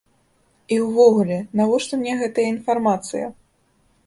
І ўвогуле, навошта мне гэтая інфармацыя?